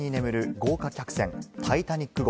豪華客船・タイタニック号。